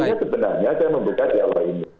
artinya sebenarnya saya membuka dialognya